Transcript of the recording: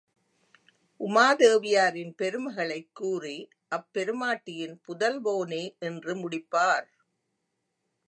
உமாதேவியாரின் பெருமைகளைக் கூறி அப்பெருமாட்டியின் புதல்வோனே என்று முடிப்பார்.